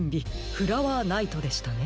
フラワーナイトでしたね。